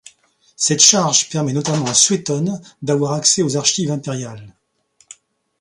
Cette charge permet notamment à Suétone d'avoir accès aux archives impériales.